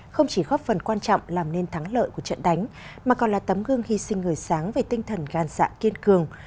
không chỉ góp phần quan trọng làm nên thắng lợi của trận đánh mà còn là tấm gương hy sinh người sáng về tinh thần gan dạ kiên cường